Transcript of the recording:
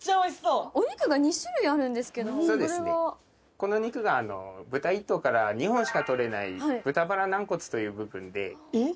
この肉が豚一頭から２本しか取れない豚バラ軟骨という部分で。